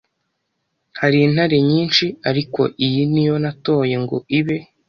Har’ intahe nyinshi ariko iyi niyo natoye ngo ibe